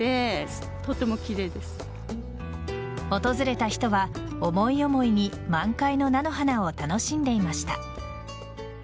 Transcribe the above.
訪れた人は思い思いに満開の菜の花を楽しんでいました。